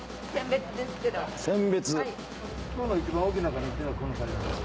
今日の一番大きなカニっていうのはこのカニ。